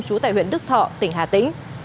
chú tại huyện đức thọ tỉnh hà tĩnh